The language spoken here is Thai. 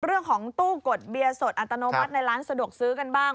เรื่องของตู้กดเบียร์สดอัตโนมัติในร้านสะดวกซื้อกันบ้าง